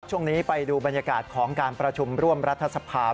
ช่วงนี้ไปดูบรรยากาศของการประชุมร่วมรัฐสภาพ